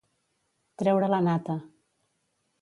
Treure la nata.